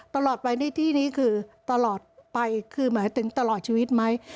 ตลอดไปในที่นี้คือตลอดไปคือหมายถึงตลอดชีวิตไหม